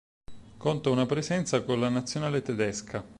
Conta una presenza con la Nazionale tedesca.